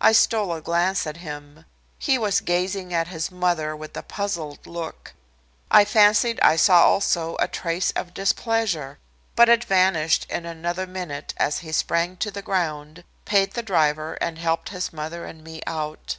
I stole a glance at him. He was gazing at his mother with a puzzled look. I fancied I saw also a trace of displeasure. But it vanished in another minute as he sprang to the ground, paid the driver and helped his mother and me out.